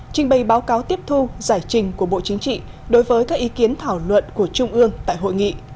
trình bày báo cáo tiếp thu giải trình của bộ chính trị đối với các ý kiến thảo luận của trung ương tại hội nghị